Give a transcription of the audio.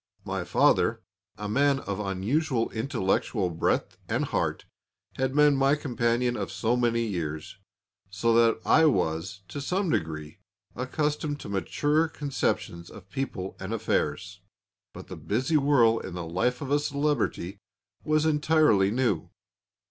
My father, a man of unusual intellectual breadth and heart, had been my companion of many years, so that I was, to some degree, accustomed to mature conceptions of people and affairs. But the busy whirl in the life of a celebrity was entirely new.